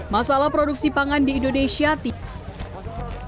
masalah produksi pangan di indonesia tidak